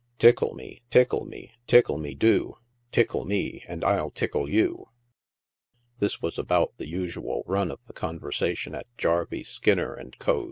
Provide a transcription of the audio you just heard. i: Tickle me, tickle me, tickle me, do ; tickle me, and I'll tickle you." This was about the usual run of the conversation at Jarvey, Skinner & Co.'